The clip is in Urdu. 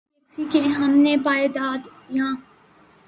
بارے‘ اپنی بیکسی کی ہم نے پائی داد‘ یاں